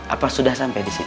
apa sudah sampai disini